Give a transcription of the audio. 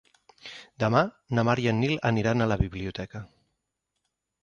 Demà na Mar i en Nil aniran a la biblioteca.